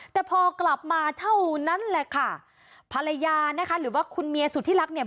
แต่พอกลับมาเท่านั้นแหละค่ะภรรยานะคะหรือว่าคุณเมียสุธิรักเนี่ย